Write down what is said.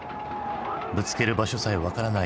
ぶつける場所さえ分からない